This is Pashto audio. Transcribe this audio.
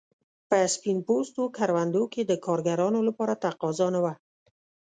په سپین پوستو کروندو کې د کارګرانو لپاره تقاضا نه وه.